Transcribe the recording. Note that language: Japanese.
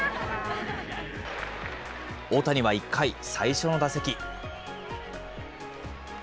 大谷は１回、最初の打席。